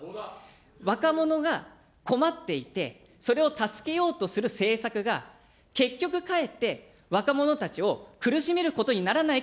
若者が困っていて、それを助けようとする政策が、結局かえって、若者たちを苦しめることにならないか